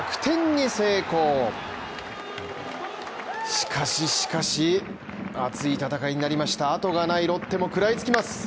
しかししかし、熱い戦いになりました後がないロッテも食らいつきます